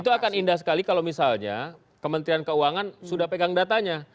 itu akan indah sekali kalau misalnya kementerian keuangan sudah pegang datanya